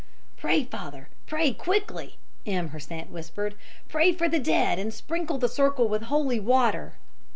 "Pray, Father! Pray quickly," M. Hersant whispered. "Pray for the dead, and sprinkle the circle with holy water."